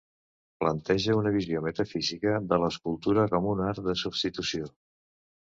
Planteja una visió metafísica de l'escultura com un art de substitució.